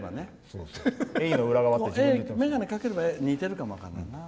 眼鏡かければ似てるかも分からないな。